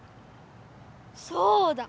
そうだ！